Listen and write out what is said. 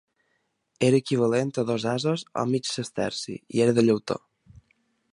Era equivalent a dos asos o mig sesterci i era de llautó.